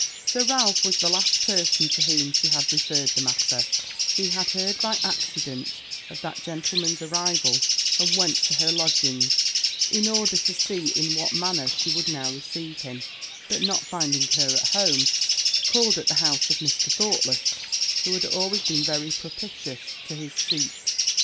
Sir Ralph was the last person to whom she had referred the matter; he had heard by accident of that gentleman's arrival, and went to her lodgings, in order to see in what manner she would now receive him; but not finding her at home, called at the house of Mr. Thoughtless, who had always been very propitious to his suit.